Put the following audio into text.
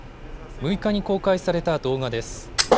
６日に公開された動画です。